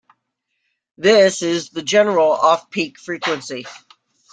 This is the general off-peak frequency.